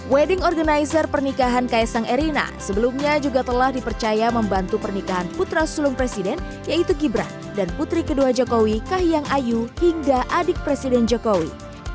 wedding organizer pernikahan kaisang erina sebelumnya juga telah dipercaya membantu pernikahan putra sulung presiden yaitu gibran dan putri kedua jokowi kahiyang ayu hingga adik presiden jokowi